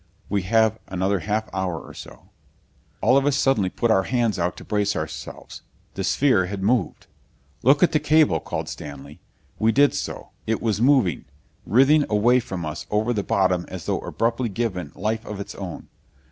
"We have another half hour or so " All of us suddenly put out our hands to brace ourselves. The sphere had moved. "Look at the cable!" called Stanley. We did so. It was moving, writhing away from us over the bottom as though abruptly given life of its own.